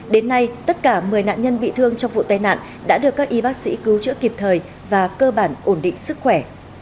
đến nay tất cả một mươi nạn nhân bị thương trong vụ tai nạn đã được các y bác sĩ cứu chữa kịp thời và cơ bản ổn định sức khỏe